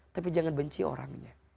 tapi jangan benci orangnya